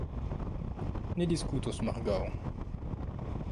Ni diskutos morgaŭ.